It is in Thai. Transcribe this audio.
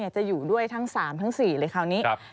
จะอยู่ด้วยทั้ง๓ทั้ง๔เลยคราวนี้